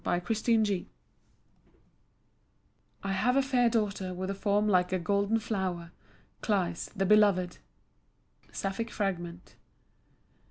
To Cleis "I have a fair daughter with a form like a golden flower, Cleis, the beloved." Sapphic fragment.